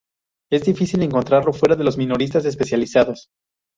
Es difícil encontrarlo fuera de los minoristas especializados.